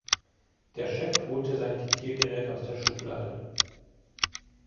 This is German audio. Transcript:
Der Chef holte sein Diktiergerät aus der Schublade.